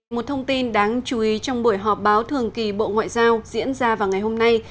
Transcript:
một thông tin đáng chú ý trong buổi họp báo thường kỳ bộ ngoại giao diễn ra vào ngày hôm nay